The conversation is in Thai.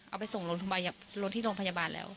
เอาไปส่งลงทุบาทเครื่องโรงพยาบาลแล้ว